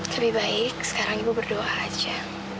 lebih baik sekarang ibu berdoa aja